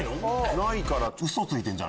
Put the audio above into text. ないから。